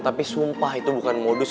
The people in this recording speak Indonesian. tapi sumpah itu bukan modus